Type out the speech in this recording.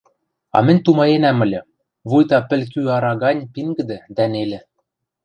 А мӹнь тумаенӓм ыльы: вуйта пӹл кӱ ара гань пингӹдӹ дӓ нелӹ.